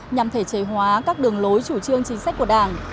nhằm thể chế hóa các đường lối chủ trương chính sách của đảng